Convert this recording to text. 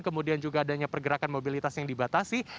kemudian juga adanya pergerakan mobilitas yang dibatasi